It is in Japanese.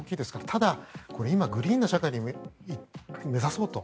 ただ、今、グリーンな社会を目指そうと。